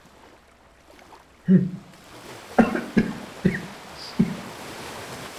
He also appeared in roles on the television series "Naked City" and "Bewitched".